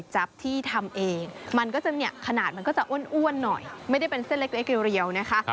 หาง่าย